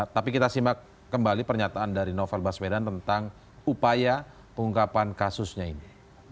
tapi kita simak kembali pernyataan dari novel baswedan tentang upaya pengungkapan kasusnya ini